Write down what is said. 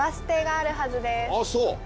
あっそう。